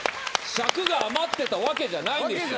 尺が余ってたわけじゃないんですよ。